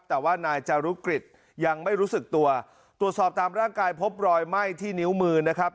แต่ว่านายจารุกฤษยังไม่รู้สึกตัวตรวจสอบตามร่างกายพบรอยไหม้ที่นิ้วมือนะครับ